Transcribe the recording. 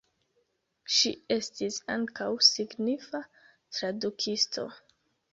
Ŝi estis ankaŭ signifa tradukisto.